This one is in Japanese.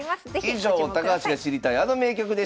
以上「高橋が知りたいあの名局」でした。